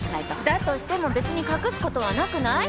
だとしても別に隠す事はなくない？